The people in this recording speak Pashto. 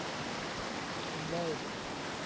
لومړی دلیل دا دی چې حماسي سبک یې درلود.